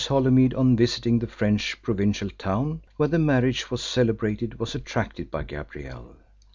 Holymead on visiting the French provincial town where the marriage was celebrated, was attracted by Gabrielle.